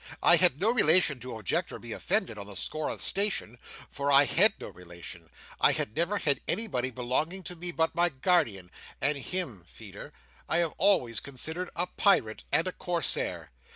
I had no relation to object or be offended, on the score of station; for I had no relation. I have never had anybody belonging to me but my guardian, and him, Feeder, I have always considered as a Pirate and a Corsair.